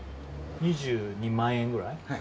２２万円ぐらい？